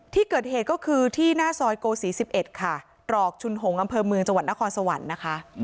ที่เกิดเหตุก็คือที่หน้าซอยโกศี๑๑ค่ะตรอกชุนหงษ์อำเภอเมืองจังหวัดนครสวรรค์นะคะ